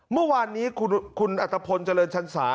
เมื่อวานนี้คุณอัตภพลเจริญชันศา